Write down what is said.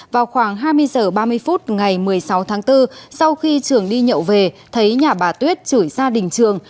vào khoảng hai mươi h ba mươi phút ngày một mươi sáu tháng bốn sau khi trường đi nhậu về thấy nhà bà tuyết chửi gia đình trường